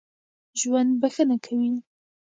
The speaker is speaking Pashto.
ژوندي بښنه کوي